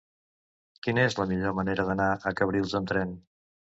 Quina és la millor manera d'anar a Cabrils amb tren?